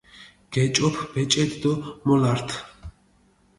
გეჭოფჷ ბეჭედი დო მოლართჷ.